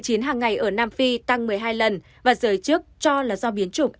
ca covid một mươi chín hàng ngày ở nam phi tăng một mươi hai lần và giới chức cho là do biến chủng